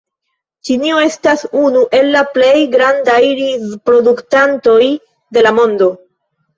Ĉinio estas unu el la plej grandaj rizproduktantoj de la mondo.